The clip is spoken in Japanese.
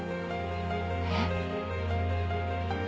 えっ？